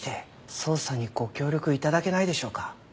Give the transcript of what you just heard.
捜査にご協力頂けないでしょうか？